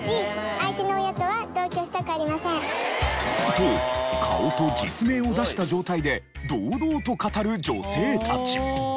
と顔と実名を出した状態で堂々と語る女性たち。